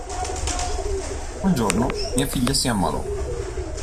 Un giorno, mia figlia si ammalò.